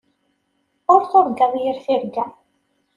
Ur turgaḍ yir tirga.